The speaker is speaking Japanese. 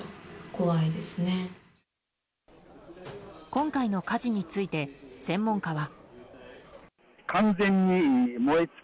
今回の火事について専門家は。